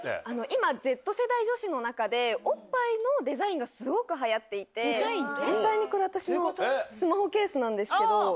今Ｚ世代女子の中でおっぱいのデザインがすごく流行っていて実際にこれ私のスマホケースなんですけど。